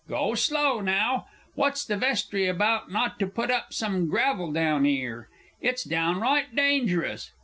Go slow now. What's the Vestry about not to put some gravel down 'ere? It's downright dangerous!